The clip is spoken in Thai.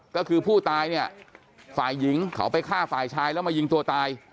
ก็คือผู้ตายเนี่ยฝ่ายหญิงเขาไปฆ่าฝ่ายชายแล้วมายิงตัวตาย